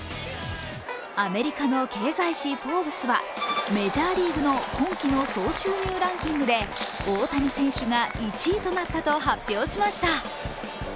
アメリカの経済誌「フォーブス」はメジャーリーグの今季の総収入ランキングで大谷選手が１位になったと発表しました。